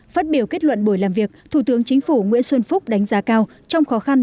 phát biểu kết luận buổi làm việc thủ tướng chính phủ nguyễn xuân phúc đánh giá cao trong khó khăn